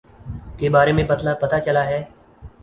کے بارے میں پتا چلا ہے